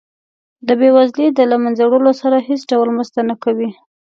د بیوزلۍ د له مینځه وړلو سره هیڅ ډول مرسته نه کوي.